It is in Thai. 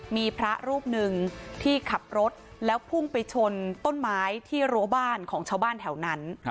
มีพระรูปหนึ่งที่ขับรถแล้วพุ่งไปชนต้นไม้ที่รั้วบ้านของชาวบ้านแถวนั้น